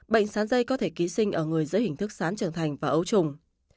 bệnh sán dây có thể ký sinh ở người dưới hình thức sán trường thành và ấu trùng